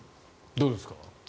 どうですか？